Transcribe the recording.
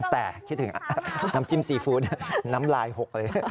แต่คิดถึงน้ำจิ้มซีฟู้ดน้ำลายหกเลย